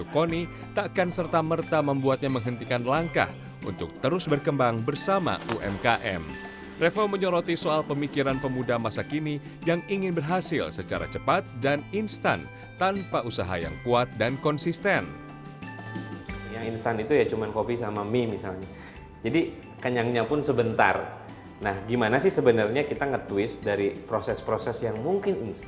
ketika ada sebuah masalah kami juga melihat di situ ada peluang